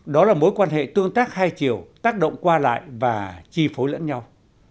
đó là mối quan hệ tương tác hai chiều tác động qua lại và chi phối lẫn nhau